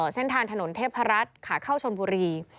เส้นทางถนนเทพรัฐขาเข้าชนบุรี